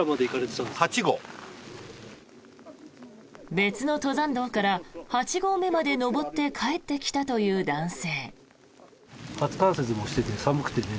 別の登山道から八合目まで登って帰ってきたという男性。